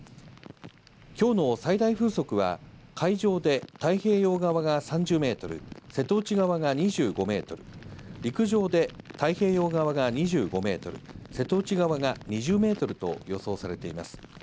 きょうの最大風速は、海上で太平洋側が３０メートル、瀬戸内側が２５メートル、陸上で太平洋側が２５メートル、瀬戸内側が２０メートルと予想されています。